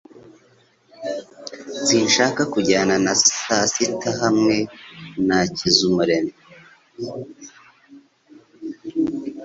Sinshaka kujyana na sasita hamwe na Hakizamuremyi